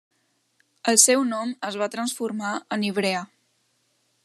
El seu nom es va transformar en Ivrea.